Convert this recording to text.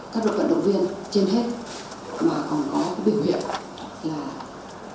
các đội vận động viên trên hết mà còn có cái biểu hiện là lo cho cái lợi ích của cá nhân mình